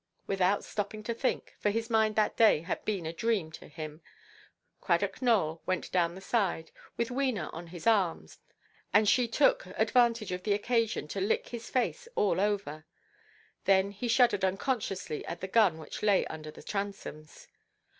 Without stopping to think—for his mind that day had only been a dream to him—Cradock Nowell went down the side, with Wena on his arm, and she took advantage of the occasion to lick his face all over. Then he shuddered unconsciously at the gun which lay under the transoms.